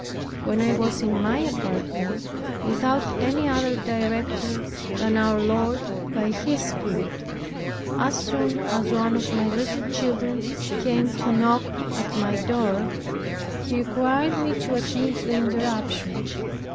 When I was in my apartment, without any other director than our Lord by His Spirit, as soon as one of my little children came to knock at my door, he required me to admit the interruption.